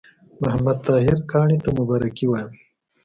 محمد طاهر کاڼي ته مبارکي وایم.